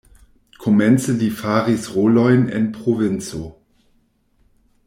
Komence li faris rolojn en provinco.